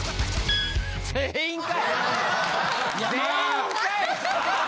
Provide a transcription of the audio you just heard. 全員かい！